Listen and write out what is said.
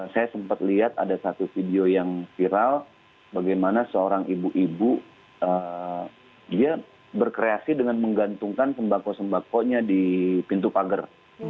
saya sempat lihat ada satu video yang viral bagaimana seorang ibu ibu dia berkreasi dengan menggantungkan sembako sembakonya di pintu pagar